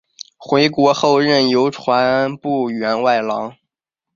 回国后任邮传部员外郎。